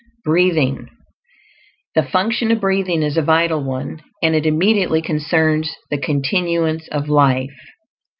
BREATHING. The function of breathing is a vital one, and it immediately concerns the continuance of life.